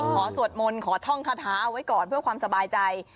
สวดมนต์ขอท่องคาถาเอาไว้ก่อนเพื่อความสบายใจ